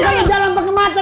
lu kan jalan pakai mata